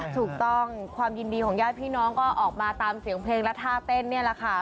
ถูกต้องความยินดีของญาติพี่น้องก็ออกมาตามเสียงเพลงและท่าเต้นนี่แหละค่ะ